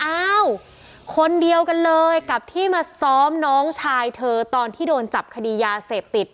อ้าวคนเดียวกันเลยกับที่มาซ้อมน้องชายเธอตอนที่โดนจับคดียาเสพติด